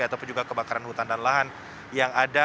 ataupun juga kebakaran hutan dan lahan yang ada